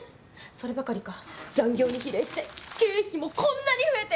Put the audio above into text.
そればかりか残業に比例して経費もこんなに増えて。